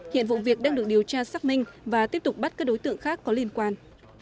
hiện vụ việc đang được điều tra xác minh và tiếp tục bắt các đối tượng khác có liên quan